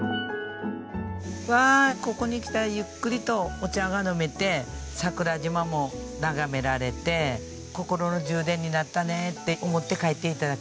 うわここに来たらゆっくりとお茶が飲めて桜島も眺められて心の充電になったねって思って帰って頂ければ。